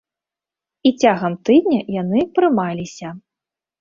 І цягам тыдня яны прымаліся.